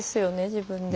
自分で。